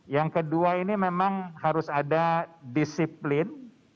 yang kedua ini memang harus ada disiplin